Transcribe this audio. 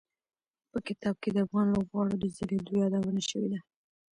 په کتاب کې د افغان لوبغاړو د ځلېدو یادونه شوي ده.